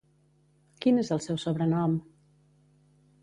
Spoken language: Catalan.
Quin és el seu sobrenom?